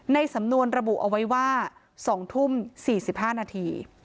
ในสำนวนระบุเอาไว้ว่า๒ทุ่ม๔๕นาที